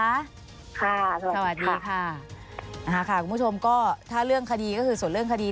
สวัสดีค่ะอ่าค่ะคุณผู้ชมก็ถ้าเรื่องคดีก็คือส่วนเรื่องคดี